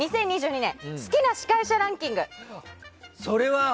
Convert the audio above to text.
２０２２年好きな司会者ランキング。